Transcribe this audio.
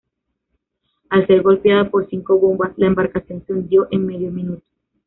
Al ser golpeada por cinco bombas, la embarcación se hundió en medio minuto.